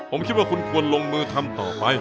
ผมคิดว่าคุณควรลงมือทำต่อไป